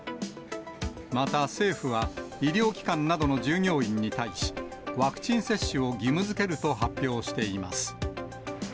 また政府は、医療機関などの従業員に対し、ワクチン接種を義務づけると発表しています。